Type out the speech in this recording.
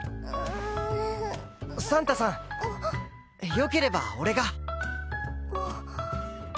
よければ俺が。